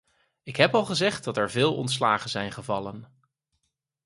Ik heb al gezegd dat er veel ontslagen zijn gevallen.